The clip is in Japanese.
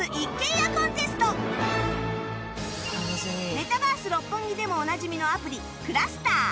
メタバース六本木でもおなじみのアプリ ｃｌｕｓｔｅｒ